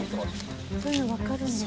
そういうのわかるんだ。